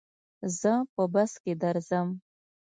زه په بس کي درځم.